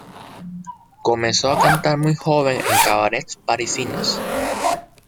Comenzó a cantar muy joven en cabarets parisinos.